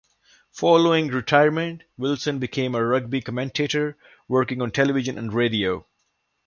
Following retirement, Wilson became a rugby commentator, working on television and radio.